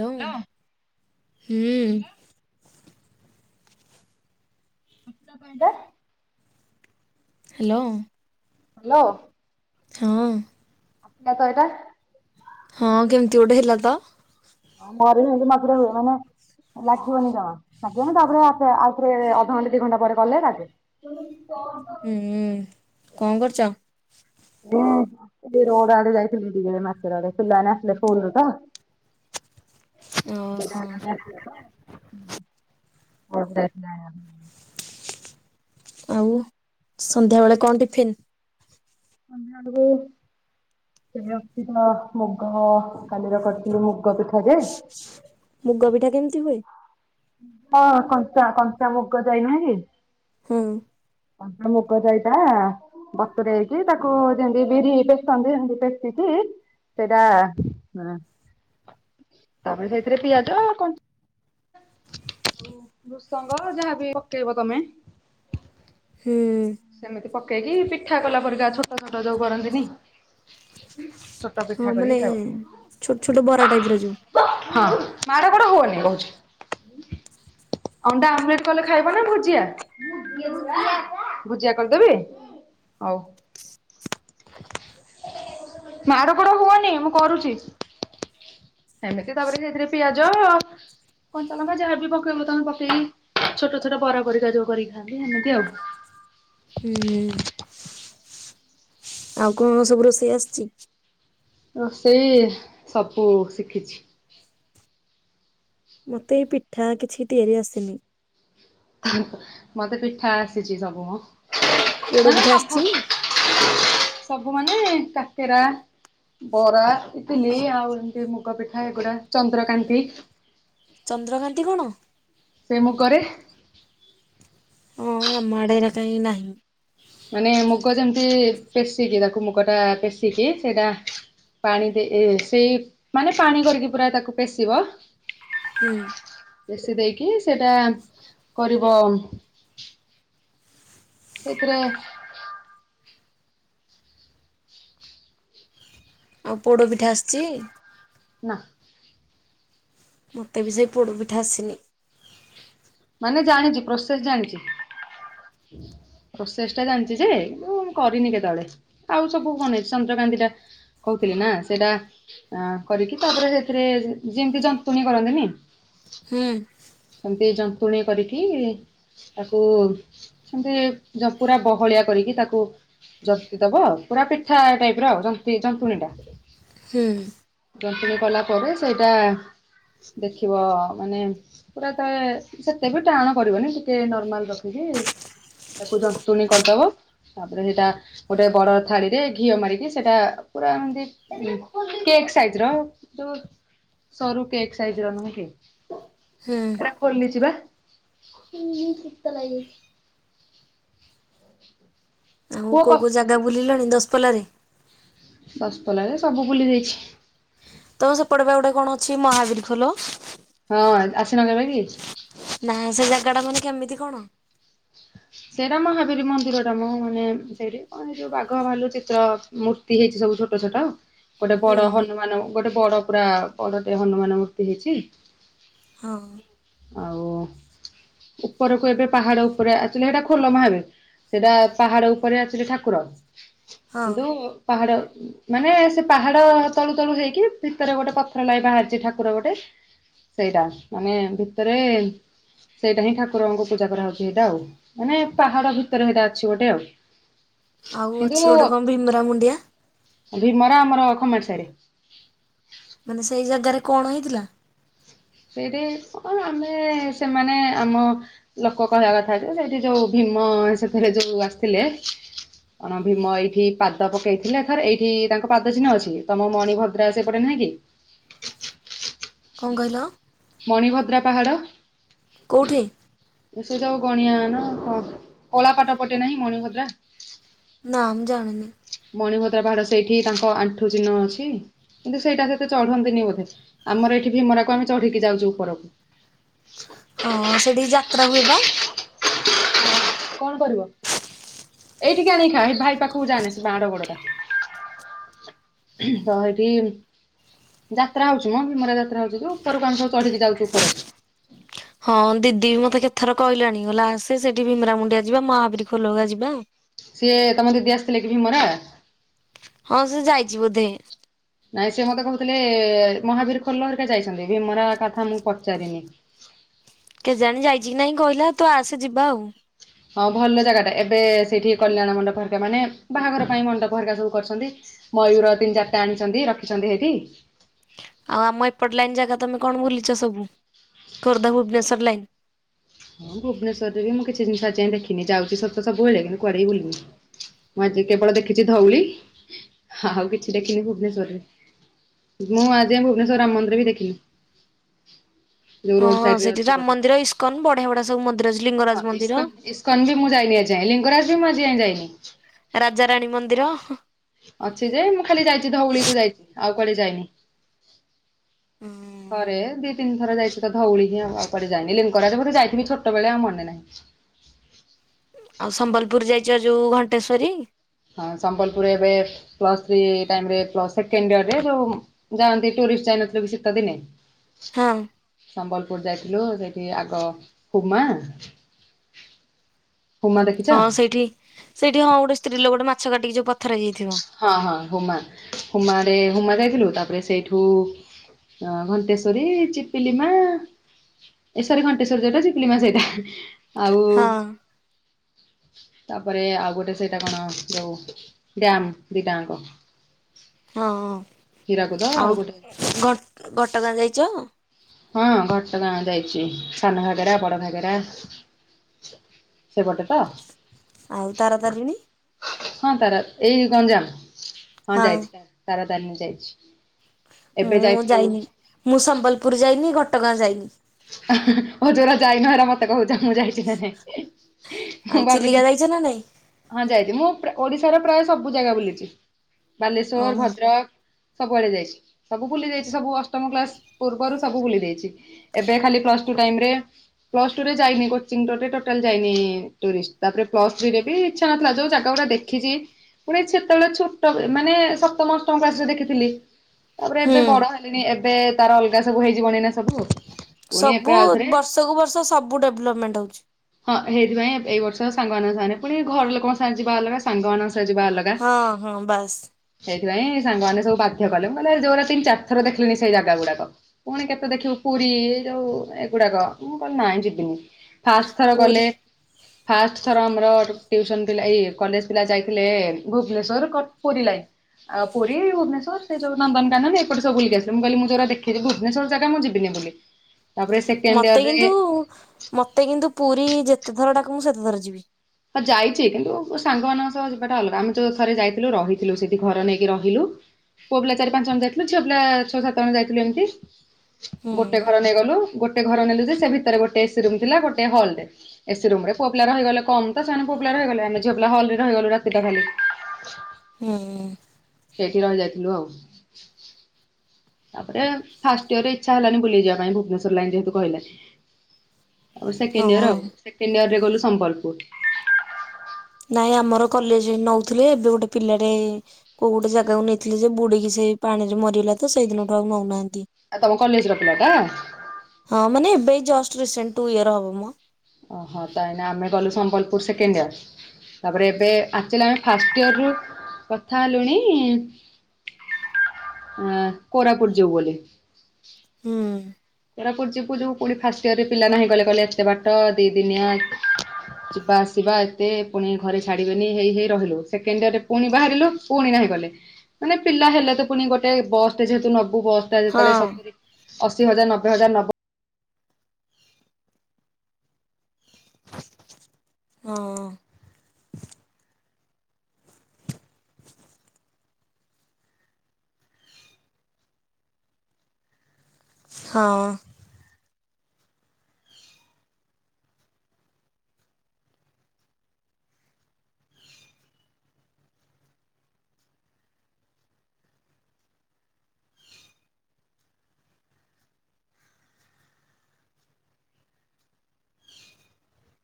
ହୁଁ। ଅଛିିତ କହିଲା। ହ୍ୟାଲୋ। ହ୍ୟାଲୋ। ହଁ। ନା ତ ଏଇଟା ହଁ କେମିତି ଗୋଟେ ହେଲା ତ। ଆମ ଘରେ ବି ଏମତି ମାଗୁର ହୁଏ, ମାନେ ଲାଗିବନି ଜମା, ଲାଗିବନି ତାପରେ ଆଉଥରେ ଅଧଘଣ୍ଟା ଦି ଘଣ୍ଟା ପରେ ଗଲେ ଲାଗେ [unintelligible] ହୁଁ କଣ କରୁଛ? ଟିକେ ରୋଡ ଆଡେ ଯାଇଥିଲି ଦ ମାଛେର ଆଡେ, ପିଲା ମାନେ ଆସିଲେ ସ୍କୁଲରୁ ତ ଓହୋ [unintelligible] ଆଉ ସନ୍ଧ୍ୟାବେେଳେ କଣ ଟିଫନ୍? ସନ୍ଧ୍ୟା ଆଡକୁୁ ସେ ଅଛି ତ ମୁଗ କାଲିର କରିଥିଲୁ ମୁଗ ପିଠା ଯେ ମୁଗ ପିଠା କେମିତି ହୁଏ? ହଁ କଞ୍ଚା କଞ୍ଚା ମୁଗ ଯାଇ ନୁହଁ କି? ହୁଁ। ତାଙ୍କ ମୁକ ତ ଏଇଟା। ବତୁରେଇ କି ତାକୁ ଯେମତି ବିରି ପେଶନ୍ତି ହେମତି ପେଶିକି ସେଇଟା ହଁ ତାପରେ ସେଇଥିରେ ପିଆଜ କଞ୍ଚ୍ ଆଉ ଭୃସଙ୍ଗ ଯାହା ବି ପକେଇବ ତମେ। ହୁଁ। ସେମିତି ପକେଇକି ପିଠା କଲା ପରିକା ଛୋଟ ଛୋଟ ଯୋଉ କରନ୍ତିନେଇ। ହଁ ମାନେ ଖାଇବ। ଛୋଟ ଛୋଟ ବରା ଟାଇପ୍ ର ଯୋଉ। ହଁ ମାଡ଼ ଗୋଡ଼ ହୁଅନି କହୁଛି। ଅଣ୍ଡା ଆମଲେଟ୍ କଲେ ଖାଇବ ନା ଭୁଜିଆ? ଭୁଜିଆ କରିଦେବି? ହଉ। ମାଡ଼ ଗୋଡ଼ ହୁଅନି ମୁଁ କରୁଚି। ହେମିତି ତାପରେ ସେଇଥିରେ ପିଆଜ କଞ୍ଚାଲଙ୍କା ଯାହା ବି ପକେଇବ ତମେ ପକେଇକି ଛୋଟ ଛୋଟ ବରା ପରିିକା ଯୋଉ କରି ଖାଆନ୍ତି ହେମିତି ଆଉ। ହୁଁ। ଆଉ କଣ ସବୁ ରୋଷେଇ ଆସଚି? ରୋଷେଇ ସବୁ ଶିଖିଛି। ମୋତେ ଏଇ ପିଠା କିଛି ତିଆରି ଆସିନି। ମତେ ପିଠା ଆସିଚି ସବୁ ମ ପୋଡ ତାନେ ପିଠା ଆସିଛି ସବୁ ସବୁ ମାନେ କାକେରା ବରା ଇଟିଲି ଆଉ ଏମିତି ମୁଗ ପିଠା ଏଗୁଡ଼ା ଚନ୍ଦ୍ରକାନ୍ତି। ଚନ୍ଦ୍ରକାନ୍ତି କଣ? ସେ ମୁଁ କରେ। ଅଁ ଆମ ଆଡ଼େ ଏରା କାଇଁ ନାହିଁ। ମାନେ ମୁଗ ଯେମିତି ପେଶିକି ତାକୁ ମୁଗଟା ପେଶିକି ସେଇଟା ପାଣି ଦେ ଏ ସେଇ ମାନେ ପାଣି କରିକି ପୁରା ତାକୁ ପେଶିବ। ହୁଁ। ପେଶି ଦେଇକି ସେଇଟା କରିବ। ସେଇଥିରେ ଆଉ ପୋଡ଼ ପିଠା ଆସଚି? ନାଁ। ମତେ ବି ସେଇ ପୋଡ଼ପିଠା ଆସିନି। ମାନେ ଜାଣିଚି ପ୍ରସେସ୍ ଜାଣିଚି। ପ୍ରୋସେସ୍ ଟା ଜାଣିଚି ଯେ କିନ୍ତୁ ମୁଁ କରିନି କେତଳେ। ଆଉ ସବୁ କଣ ଏ ଚନ୍ଦ୍ରକାନ୍ତିଟା କହୁଥିଲି ନାଁ ସେଟା ଆଁ କରିକି ତାପରେ ସେଥିରେ ଯେମିତି ଜନ୍ତୁଣି କରନ୍ତିନି ହୁଁ। ସେମତି ଜନ୍ତୁଣି କରିକି ତାକୁ ସେମତି ଜ ପୁରା ପୁରା ବହଳିଆ କରିକି ତାକୁ ଜତି ଦବ ଆଉ ପୁରା ପିଠା ଟାଇପ୍ ର ଆଉ ଜନ୍ତି ଜନ୍ତୁଣିଟା। ହୁଁ। ଜନ୍ତୁଣି କଲା ପରେ ସେଇଟା ଦେଖିବ ମାନେ ପୁରା ତେ ସେତେ ବି ଟାଣ କରିବନି ଟିକେ ନର୍ମାଲ୍ ରଖିକି ତାକୁ ଜନ୍ତୁଣି କରିଦବ ତାପରେ ହେଇଟା ଗୋଟେ ବଡ଼ ଥାଳିରେ ଘିଅ ମାରିକି ସେଟା ପୁରା ଏମତି ଉଁ କେକସ୍ ସାଇଜର ଯୋଉ ସରୁ କେକ୍ ସାଇଜର ନୁହେଁ କି। ହୁଁ। ଏଟା ଖୋଲିଛି ବା ହୁଁ ସୀତ ଲାଗେ ଆଉ ପୁଅ କ କଉ କଉ ଜାଗା ବୁଲିଲଣି ଦଶପଲାରେ? ଦଶପଲାରେ ସବୁ ବୁଲି ଦେଇଚି। ତମ ସେପଟେ ଗୋଟେ କଣ ଅଛି ମହାବୀର ଖୋଲ ହଁ ଆସିନ କେବେ କି। ନା ସେ ଜାଗାଟା ମାନେ କେମିତି କଣ। ସେଇଟା ମହାବିରି ମନ୍ଦିରଟା ମ ମାନେ ସେଇଠି କଣ ଏଇ ଯଉ ବାଘ, ଭାଲୁ ଚିତ୍ର ମୂ ତ୍ତି ହେଇଛି ସବୁ ଛୋଟ ଛୋଟ। ଗୋଟେ ହୁଁ ବଡ ହନୁମାନ ଗୋଟେ ବଡ ପୁରା ବଡଟେ ହନୁମାନ ମୂର୍ତ୍ତି ହେଇଚି। ହଁ। ଆଉ ଉପରକୁ ଏବେ ପାହାଡ ଉପରେ ଆ‌ ଆକଚୁଆଲି ସେଟା ଖୋଲ ମହାବୀର ସେଟା ପାହାଡ ଉପରେ ଏକ୍ଟୁଆଲୀ ଠାକୁର ହଁ କିନ୍ତୁ ପାହାଡ଼ ମାନେ ସେ ପାହାଡ ତଳୁ ତଳୁ ହେଇକି ଭିତରେ ଗୋଟେ ପଥର ଲେଖେ ବାହାରିଛି ଠାକୁର ଗୋଟେ‌ ସେଇଟା ମାନେ ଭିତରେ ସେଇଟା ହିଁ ଠାକୁରଙ୍କୁ ପୂଜା କରାହଉଚି ସେଇଟା ଆଉ। ମାନେ ପାହାଡ ଭିତରେ ହେଇଟା ଅଛି ଗୋଟେ ଆଉ। ଆଉ ଅଛି ଗୋଟେ କଣ ଭୀମ୍ରା ମୁଣ୍ଡିଆ ଭିମରା ଆମର ଖମଟି ସାହି ରେ ମାନେ ସେଇ ଜାଗାରେ କଣ ହେଇଥିଲା? ସେଇଠି କଣ ଆମେ ସେମାନେ ଆମ ଲୋକ କହିବା କଥା ଯେ ସେଠି ଯୋଉ ଭୀମ ସେଥିରେ ଯୋଉ ଆସିଥିଲେ କଣ ଭୀମ ଏଇଠି ପାଦ ପକେଇଥିଲା ଥରେ ଏଇଠି ତାଙ୍କ ପାଦ ଚିହ୍ନ ଅଛି ତମ ମଣିଭଦ୍ରା ସେପଟେ ନାହିଁ କି କଣ କହିଲ? ମଣିଭଦ୍ରା ପାହାଡ଼ କଉଁଠି? ଏ ସେଇ ଯଉ ଗଣିଆ ନା କଳାପଟ ପଟେ ନାହିଁ ମଣିଭଦ୍ରା। ନା ମୁ ଜାଣିନି। ମଣିଭଦ୍ରା ପାହାଡ ସେଇଠି ତାଙ୍କ ଆଣ୍ଠୁ ଚିହ୍ନ ଅଛି। କିନ୍ତୁ ସେଇଟା ସେତେ ଚଢନ୍ତିନି ବୋଧେ ଆମର ଏଠି ଭୀମରାକୁ ଆମେ ଚଢିକି ଯାଉଚୀ ଉପରକୁ। ହଁ ସେଠି ଯାତ୍ରା ହୁଏ ବା। କଣ କରିବ ଏଇଠିକି ଆଣି ଖା ଭାଇ ପାଖକୁ ଯାନା ସେ ମାଡ ଗୋଡ ତ ହେଇଠି ଯାତ୍ରା ହଉଚି ମ ଭୀମରା ଯାତ୍ରା ହଉ ଯେଉ ଉପରକୁ ଆମେ ସବୁ ଚଢିକି ଯାଉଛ ଉପରକୁ। ହଁ ଦିଦି ବି ମତେ କେତଥର କଇଲାଣି କଇ‌ଲା ଆସେ ସେଠି ଭୀମରାମୁଣ୍ଡିଆ ଯିବା ମହାବିିରି ଖୋଲଗା ଯିବା। ସିଏ ତମ ଦିଦି ଆସିଥିଲେ କି ଭୀମରା? ହଁ ସେ ଯାଇଚି ବୋଧେ। ନାଇଁ ସେ ମତେ କହୁଥିଲେ ମହାବୀର ଖୋଲ ହରିକା ଯାଇଛନ୍ତି ଭୀମରା କଥା ମୁଁ ପଚାରିନି। କେଜାଣି ଯାଇଛି କି ନାହିଁ କହିଲା ତୁ ଆସେ ଯିବା ଆଉ। ହଁ ଭଲ ଜାଗାଟା ଏବେ ସେଇଠି କଲ୍ୟାଣ ମଣ୍ଡପ ହରିକା ମାନେ ବାହାଘର ପାଇଁ ମଣ୍ଡପ ହରିକା ସବୁ କରିଛନ୍ତି। ମୟୂର ତିନି ଚାରିଟା ଆଣିଛନ୍ତି ରଖିଛନ୍ତି ହେଇଠି। ଆଉ ଆମ ଏପଟ ଲାଇନ ଜାଗା ତମେ କଣ ବୁଲିଛ ସବୁ ଖୋର୍ଦ୍ଧା ଭୁବନେଶ୍ଵର ଲାଇନ। ହଁ ଭୁବନେଶ୍ୱରରେ ବି ମୁଁ କିଛିି ଜିନିଷ ଆଜି ଯାଇ ଦେଖିନି ଯାଉଛି ସତ ସବୁ ବେଳେ କିନ୍ତୁ କୁଆଡ଼େ କିି ବୁଲିନି। ମୁଁ ଆଜି କେବଳ ଦେଖିଛି ଧଉଳି ଆଉ କିଛି ଦେଖିନି ଭୁବନେଶ୍ଵରରେ। ମୁଁ ଆଜିଯାଏଁ ଭୁବନେଶ୍ୱର ରାମ ମନ୍ଦିର ବି ଦେଖିନି। ଯୋଉ ହଁ ରୋଡ ସାଇଡ ରେ ସେଠି ଅଛି ରାମ ଗୋଟେ। ମନ୍ଦିର ଇସ୍କନ ବଢିଆ ବଢିଆ ସବୁ ମନ୍ଦିର ଅଛି ହଁ ଲିଙ୍ଗରାଜ ମନ୍ଦିର। ଇସ୍କନ ଇସ୍କନ ବି ମୁଁ ଯାଇନି ଆଜିଯାଏଁ ଲିଙ୍ଗରାଜ ବି ମୁ ଆଜି ଯାଏ ଯାଇନି। ରାଜାରାଣୀ ମନ୍ଦିର। ଅଛି ଯେ ମୁଁ ଖାଲି ଯାଇଛି ଧଉଳିକୁୁ ଯାଇଛି ଆଉ କୁଆଡେ ଯାଇନି। ହୁଁଉ ଥରେ ଦି ତିନି ଥର ଯାଇଛି ତ ଧଉଳି ହିଁ ଆଉ କୁଆଡ଼େ ଯାଇନି ଲିଙ୍ଗରାଜ ବଧେ ଯାଇଥିବି ଛୋଟ ବେଳେ ଆଉ ମନେ ନାହିଁ। ଆଉ ସମ୍ବଲପୁର ଯାଇଛ ଯୋଉ ଘଣ୍ଟେଶ୍ଵରୀ? ହଁ ସମ୍ବଲପୁରରେ ଏବେ ପ୍ଲସ୍ ଥ୍ରି ଟାଇମ୍ ରେ ସେକେଣ୍ଡ ଇୟରରେ ଯୋଉ ଯାଆନ୍ତି ଟୁୁରରିଷ୍ଟ ଯାଇନଥିଲୁ କି ସିତ ଦିନେ। ହଁ। ସମ୍ବଲପୁର ଯାଇଥିଲୁ ସେଇଠି ଆଗ ହୁମା ହୁମା ଦେଖିଛ? ହଁ ସେଇଠି ସେଇଠି ହଁ ଗୋଟେ ସ୍ତ୍ରୀ ଲୋକ ଗୋଟେ ମାଛ କାଟିକି ଯୋଉ ପଥର ହେଇ ଯାଇଥିବ। ହଁ ହଁ ହୁମା ହୁମାରେ ହୁମା ଯାଇଥିଲୁ ତାପରେ‌ ସେଇଠୁ ଘଣ୍ଟେଶ୍ୱରି, ଚିପିଲିମା ଏ ସରି ଘଣ୍ଟେଶ୍ଵର ଯୋଉଟା ଚିପଲିମା ସେଇଟା। ଆଉ ହଁ। ତାପରେ ଆଉ ଗୋଟେ ସେଇଟା କଣ ଯଉ ଗ୍ରାମ ଦିଟାଙ୍କ। ହଁ ହୀରାକୁଦ ଆଉ ହଁ ଗୋଟେ ବଆଉ ଘଟ ଘଟଗାଁ ଯାଇଛ? ହଁ ଘଟଗାଁ ଯାଇଛି ସାନ ଭାଗରା, ବଡଭାଗରା। ସେପଟେ ତ? ଆଉ ତାରା ତାରିଣୀ ହଁ ତାରା ଏଇ ଗଞ୍ଜାମ ହଁ ଯାଇଛି ତାରା ତାରିଣୀ ଯାଇଛି। ଏବେ ମୁଁ ଯାଇଥିଲୁ ଯାଇନି ମୁଁ ସମ୍ବଲପୁର ଯାଇନି ଘଟଗାଁ ଯାଇନି। ହିଁ ହିଁ ହଉ ଯୋଉରା ଯାଇନ ହେରା ମୋତେ କହୁଛ ମୁଁ ଯାଇ [unintelligible] ଆଉ ମୁଁ ଚିଲିକା ଭାବିଲି ଯାଇଛ ନା ନାଇଁ ହଁ ଯାଇଛି ମୁଁ ଓଡିଶାର ପ୍ରାୟ ସବୁ ଜାଗା ବୁଲିଛି ହଁ ବାଲେଶ୍ଵର, ମୁଁ ଭଦ୍ରକ। ସବୁଆଡେ ଯାଇଛି ସବୁ ବୁଲି ଯାଇଛି ସବୁ ଅଷ୍ଟମ କ୍ଳାସ ପୂର୍ବରୁ ସବୁ ବୁଲି ଯାଇଛି। ଏବେ ଖାଲି ପ୍ଲସ ଟୁ ଟାଇମ ରେ ପ୍ଲ ଟୁରେ ଯାଇନି କୋଚିଙ୍ଗ ଟୋଟାଲ ଯାଇନି ଟୁରିଷ୍ଟ ତାରେ ପ୍ଲସ ଥ୍ରୀରେ ବି ଇଛା ନଥିଲା ଯୋଉ ଜାଗା ଗୁଡା ଦେ ଖିଛି ପୁଣି ସେତେବେଳେ ଛୋଟ ମାନେ ସପ୍ତମ, ଅଷ୍ଟମ କ୍ଲାସରେ ଦେଖିଥିଲି। ତାପରେ ହୁଁ ଏବେ ବଡ ହେଲିଣିି ଏବେ ତାର ଅଲଗା ସବୁ ହେଇଯିବନି ନା ସବୁ। ପୁଣି ଏବେ ସବୁ ଆଉଥରେ ବର୍ଷକୁୁ ବର୍ଷ ସବୁ ଡେଭଲପମେଣ୍ଟ ହଉଛି। ହଁ ହେଇଥିପାଇଁ ଏଇ ବର୍ଷ ସାଙ୍ଗମାନଙ୍କ ସାଙ୍ଗେ ପୁଣି ଘର ଲୋକଙ୍କ ସାଙ୍ଗେ ଯିବା ଅଲଗା ସାଙ୍ଗମାନଙ୍କ ସହ ଯିବା ଅଲଗା। ହଁ ହଁ ବାସ୍। ସେଇଥିପାଇଁ ସାଙ୍ଗମାନେ ସବୁ ବାଧ୍ୟ କଲେ କହିଲି ଯୋଟା ତିନି ଚାରିଥ ଦେଖିଲିଣି ସେଇ ଜାଗା ଗୁଡାକ। ପୁଣି କେତେ ଦେଖିବୁ। ପୁରୀ ଯୋଉ ଏଗୁଡାକ ମୁଁ କହିଲି ନାଇଁ ଯିବିନି ଫାଷ୍ଟ ଥର ପୁରୀ ଗଲେ ଫାଷ୍ଟ ଥର ଆମର ଟ୍ୟୁସନ ଥିଲା ଏଇ କଲେଜ ପିଲା ଯାଇଥିଲେ ଭୁବନେଶ୍ଵର କ ପୁରୀ ଲାଇନ ଆଉ ପୁରୀ ଭୁବନେଶ୍ୱର ସେ ଯୋଉ ନନ୍ଦନ କାନନ ଏପଟ ସବୁ ବୁଲି ଆସିଲେ ମୁଁ କହିଲି ମୁଁ ଯୋଉରା ଦେଖିଛି ଭୁବନେଶ୍ବର ଜାଗା ମୁ ଯି ବିନି ବୋଲି ତାପରେ ସେକେଣ୍ଡିୟରରେ ଉ ମତେ କିନ୍ତୁ ପୁରୀ ଯେତେ ଥର ଡାକ ମୁଁ ସେତେ ଥର ଯିବି। ହ ଯାଇଚି କିନ୍ତୁ ସାଙ୍ଗମାନଙ୍କ ସହ ଯିବାଟା ଅଲଗା ଆମେ ଯୋଉ ଥରେ ଯାଇଥିଲୁ ରହିଥିଲୁ ସେଇଠି ଘର ନେଇକି ରହିଲୁ। ପୁଅ ପିଲା ଚାରି ପାଞ୍ଚ ଜଣ ଯାଇଥିଲୁ ଝିଅ ପିଲା ଛଅ ସାତ ଜଣ ଯାଇଥିଲୁ ଏମିତି ଗୋଟେ ହୁଁ। ଘର ନେଇଗଲୁ। ଗୋଟେ ଘର ନେଲୁ ଯେ ସେ ଭିତରେ ଗୋଟେ ଏସି ରୁମ ଥିଲା ଗୋଟେ ହଲଟେ। ଏସି ରୁମ ରେ ପୁଅ ପିଲା ରହିଗଲେ କମ ତ ସେମାନେ ପୁଅ ପିଲା ରହିଗଲେ। ଆମେ ଝିଅ ପିଲା ହଲରେ ରହିଗଲୁ ରାତିଟା ଖାଲି। ହଁ। ସେଇଠି ରହି ଯାଇଥିଲୁ ଆଉ। ତାପରେ ଫାଷ୍ଟ ଇୟରରେ ଇଚ୍ଛା ହେଲାନି ବୁଲଯିବା ପାଇଁ ଭୁବନେଶ୍ୱର ଲାଇନ୍ ଯେହେତୁ କହିଲେ। ଆ ସେକେଣ୍ଡ ହଁ ଇୟର ଆଉ ସେକେଣ୍ଡ ଇୟର ରେ ଗଲୁ ସମ୍ବଲପୁର। ନାଇଁ ଆମର କଲେଜ ନଉଥିଲେ ଏବେ ଗୋଟେ ପିଲାଟେ କୋଉ ଗୋଟେ ଜାଗାକୁ ନେଇଥିଲେ ଯେ ବୁଡିକି ସେଇ ପାଣିରେ ମରିଗଲା ତ ସେଇଦିନଠୁ ଆଉ ନଉନାହାନ୍ତି। ଆ ତମ କଲେଜର ପିଲା ଟା? ହଁ ମାନେ ଏବେ ଜଷ୍ଟ ରିସେଣ୍ଟ ଟୁ ଇୟର ହବ ମ। ଓହୋ ତାହିଁ ନା ଆମେ ଗଲୁ ସମ୍ବଲପୁର ସେକେଣ୍ଡ ଇୟର। ତାପରେ ଏବେ ଆକ୍ଚିଆଲି ଆମେ ଫାଷ୍ଟ ଇୟର ରୁ କଥା ହେଲୁଣି ଆ କୋରାପୁଟ ଯିବୁ ବୋଲି। ହଁ। କୋରାପୁଟ ଯିବୁ ଯୋଉ କହିଲେ ଫାଷ୍ଟ ଇୟରରେ ପିଲା ନାହିଁ କଲେ କହିଲେ ଏତେ ବାଟ ଦି ଦିନିଆ। ଯିବା ଆସିବା ଏତେ ପୁଣି ଘରେ ଛାଡିବେନି ହେଇ ହେଇ ରହିଲୁ ସେକେଣ୍ଡ ଇୟରରେ ପୁଣି ବାହାରିଲୁ। ପୁଣି ନାହିଁ କଲେ ମାନେ ପିଲା ହେଲେ ତ ପୁଣି ଗୋଟେ ବସ୍ଟେ ଯେହେତୁ ନେବୁ ବସ୍ ଟା ହଁ ଯେତେବେଳେ ସତୁରି ଅଶି ହଜାର ନବେ ହଜାର ନବ ହଁ। ହଁ।